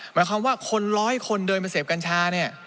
หมายความว่าคนร้อยคนเดินมาเสพกัญชาเนี่ย